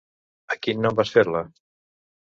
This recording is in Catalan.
A quin nom vas fer-la?